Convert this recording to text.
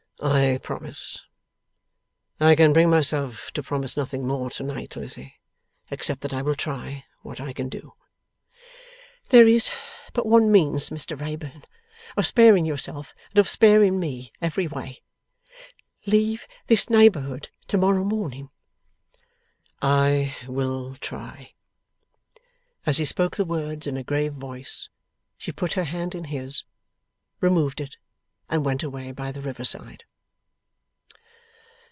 'I promise. I can bring myself to promise nothing more tonight, Lizzie, except that I will try what I can do.' 'There is but one means, Mr Wrayburn, of sparing yourself and of sparing me, every way. Leave this neighbourhood to morrow morning.' 'I will try.' As he spoke the words in a grave voice, she put her hand in his, removed it, and went away by the river side.